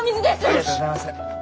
ありがとうございます。